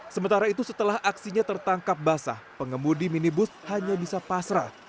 sementara itu setelah aksinya tertangkap basah pengemudi minibus hanya bisa pasrah